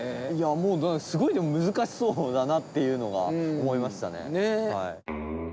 すごい難しそうだなっていうのが思いましたね。